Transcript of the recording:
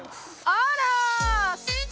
あら！